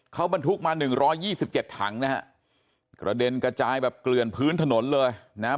เขาบรรทุกมาหนึ่งร้อยยี่สิบเจ็ดถังนะฮะกระเด็นกระจายแบบเกลื่อนพื้นถนนเลยนะครับ